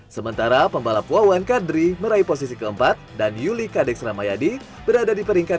sementara pembalap wawan kadri meraih posisi keempat dan yuli kadex ramayadi berada di peringkat tiga